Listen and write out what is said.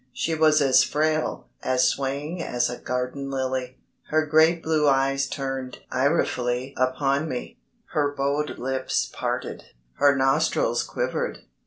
She was as frail, as swaying as a garden lily. Her great blue eyes turned irefully upon me, her bowed lips parted, her nostrils quivered.